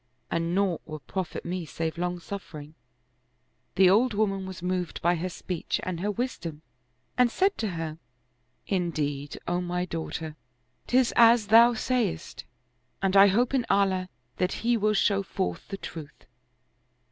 And naught will profit me save long suffering." The old woman was moved by her speech and her wisdom and said to her, " Indeed, O my daughter, 'tis as thou sayest, and I hope in Allah that He will show forth the truth.